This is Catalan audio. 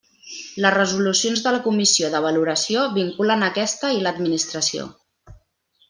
Les resolucions de la comissió de valoració vinculen aquesta i l'Administració.